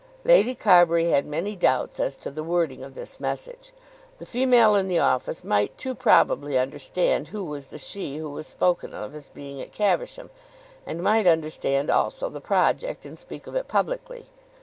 Lady Carbury had many doubts as to the wording of this message. The female in the office might too probably understand who was the "She," who was spoken of as being at Caversham, and might understand also the project, and speak of it publicly.